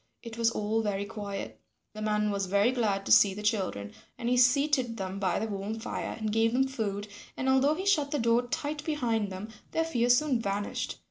It was all very quiet. The man was very glad to see the children and he seated them by the warm fire, and gave them food, and although he shut the door tight behind them, their fear soon vanished.